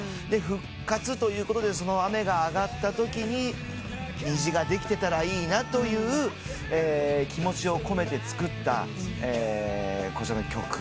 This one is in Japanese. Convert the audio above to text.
で復活ということでその雨が上がったときに虹ができてたらいいなという気持ちを込めて作ったこちらの曲。